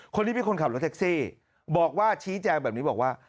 คนนี้เป็นคนขับรถแท็กซี่บอกว่าชี้แจงแบบนี้บอกว่า